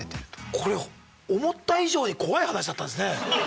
これ思った以上に怖い話だったんですね。